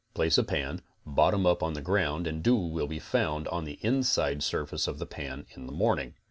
Place a pan, bottom up on the ground and dew will be found on the inside surface of the pan in the morning.